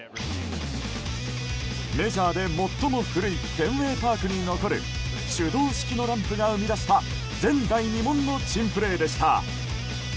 メジャーで、最も古いフェンウェイパークに残る手動式のランプが生み出した前代未聞の珍プレーでした。